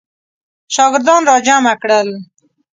شاګردان را جمع کړل.